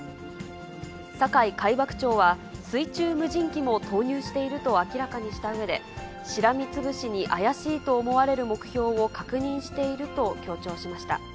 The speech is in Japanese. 酒井海幕長は水中無人機も投入していると明らかにしたうえで、しらみつぶしに怪しいと思われる目標を確認していると強調しました。